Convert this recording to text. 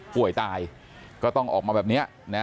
ป่วยตายก็ต้องออกมาแบบนี้นะ